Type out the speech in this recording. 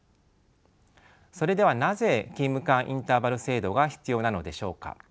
それではなぜ勤務間インターバル制度が必要なのでしょうか。